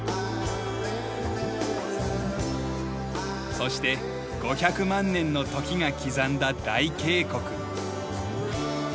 そして５００万年の時が刻んだ大渓谷。